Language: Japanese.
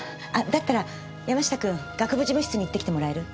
だったら山下君学部事務室に行ってきてもらえる？